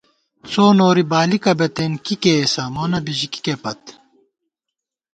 څو نوری بالِکہ بِتېن کی کېئیسہ ، مون بِژِکِکے پت